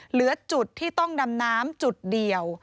เหลือจุดที่ต้องดำน้ำจุดเดียว